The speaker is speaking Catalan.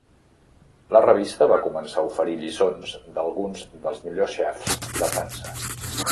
La revista va començar a oferir lliçons d'alguns dels millors xefs de França.